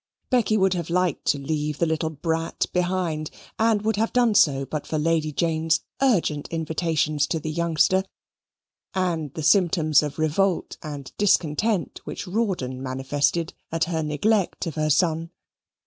Becky would have liked to leave the little brat behind, and would have done so but for Lady Jane's urgent invitations to the youngster, and the symptoms of revolt and discontent which Rawdon manifested at her neglect of her son.